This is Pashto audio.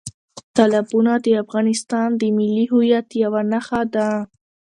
تالابونه د افغانستان د ملي هویت یوه نښه ده.